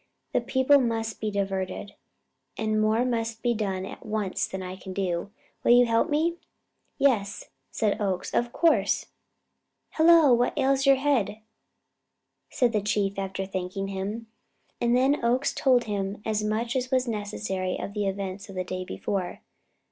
The people must be diverted, and more must be done at once than I can do. Will you help me?" "Yes," said Oakes. "Of course!" "Hello, what ails your head?" said the Chief, after thanking him. And then Oakes told him as much as was necessary of the events of the day before.